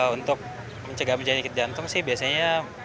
untuk mencegah penyakit jantung sih biasanya